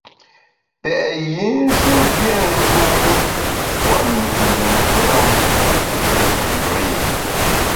Pèt yinshut bia nzune pua’ ntu ngeram nké üré.